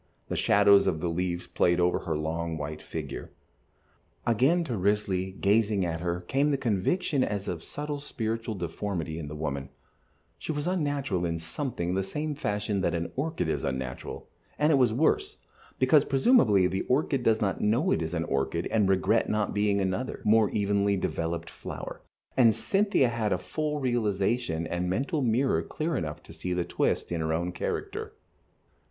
The shadows of the leaves played over her long, white figure. Again to Risley, gazing at her, came the conviction as of subtle spiritual deformity in the woman; she was unnatural in something the same fashion that an orchid is unnatural, and it was worse, because presumably the orchid does not know it is an orchid and regret not being another, more evenly developed, flower, and Cynthia had a full realization and a mental mirror clear enough to see the twist in her own character.